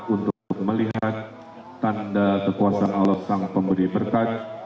untuk melihat tanda kekuasaan allah sang pemberi berkat